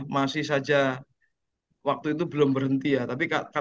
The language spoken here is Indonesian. masih saja waktu itu belum berhenti ya